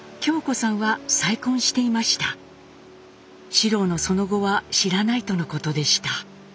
四郎のその後は知らないとのことでした。